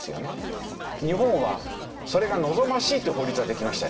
日本はそれが望ましいって法律ができましたね。